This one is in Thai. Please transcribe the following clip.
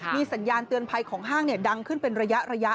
มีสัญญาณเตือนภัยของห้างดังขึ้นเป็นระยะ